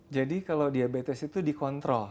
jadi kalau diabetes itu dikontrol